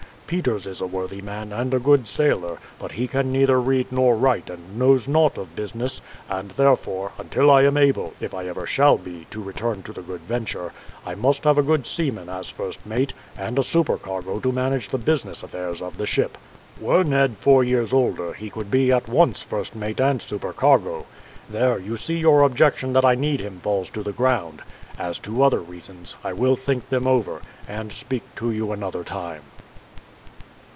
Peters is a worthy man and a good sailor, but he can neither read nor write and knows nought of business; and, therefore, until I am able, if I ever shall be, to return to the Good Venture, I must have a good seaman as first mate, and a supercargo to manage the business affairs of the ship. Were Ned four years older he could be at once first mate and supercargo. There, you see your objection that I need him falls to the ground. As to other reasons I will think them over, and speak to you another time."